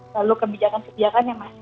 lalu kebijakan kebijakan yang masih